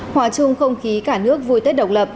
hòa chung không khí cả nước vui tết độc lập